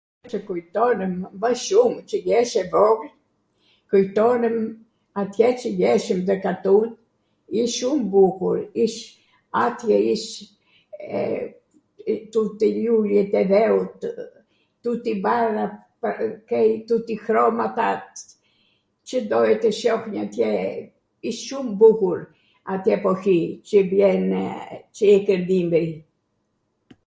Cw kujtonemw mw shum qw jesh e vogwl, kujtonem atje qw jeshwm nw katund, ish shum bukur, ish. atje ish tuti ljuljet e dheutw, tuti barwrat, kej tuti hromatat, Cw doje tw shohnje atje, ish shum bukur atw epohi qw vjenw, qw ikwn dimri